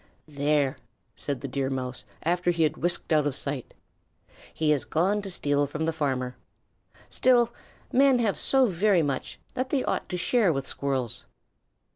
"There!" said the Deer Mouse after he had whisked out of sight. "He has gone to steal from the farmer. Still, men have so very much that they ought to share with Squirrels."